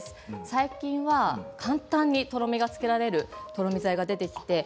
最近は簡単にとろみがつけられるとろみ剤があります。